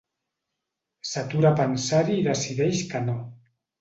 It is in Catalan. S'atura a pensar-hi i decideix que no.